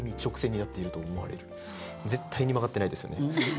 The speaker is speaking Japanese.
絶対に曲がってないですよね。